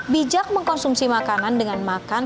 bijak mengkonsumsi makanan dengan makan